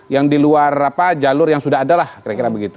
yang di luar jalur yang sudah ada lah kira kira begitu